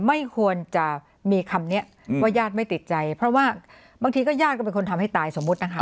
ไม่ควรจะมีคำนี้ว่าญาติไม่ติดใจเพราะว่าบางทีก็ญาติก็เป็นคนทำให้ตายสมมุตินะคะ